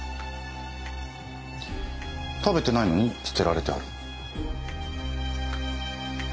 食べてないのに捨てられてある。